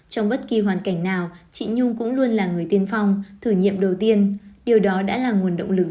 chúng tôi cũng luôn là người tiên phong thử nghiệm đầu tiên điều đó đã là nguồn động lực